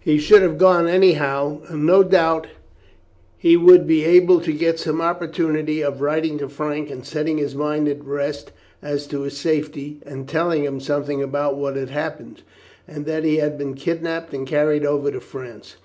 He should have gone anyhow, and no doubt he would be able to get some opportunity of writing to Frank and setting his mind at rest as to his safety, and telling him something about what had happened, and that he had been kidnapped and carried over to France.